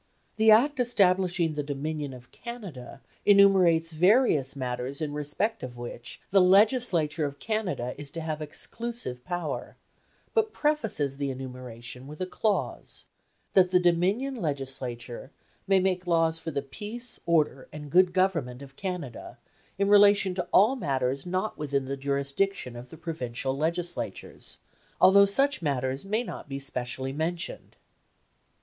The Act establishing the Dominion of Canada enumerates various matters in respect of which the Legislature of Canada is to have exclusive power, but prefaces the enumeration with a clause "that the Dominion Legislature may make laws for the peace, order, and good government of Canada in relation to all matters not within the jurisdiction of the provincial Legislatures, although such matters may not be specially mentioned."